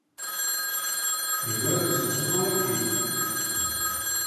Les meubles sont souvent laqués.